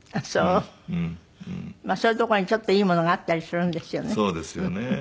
そういう所にちょっといいものがあったりするんですよね。